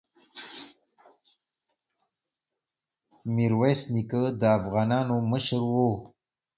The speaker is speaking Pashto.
ميرويس نيکه د افغانانو مشر وو.